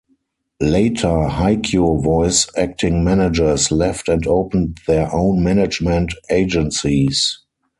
Later, Haikyo voice acting managers left and opened their own management agencies.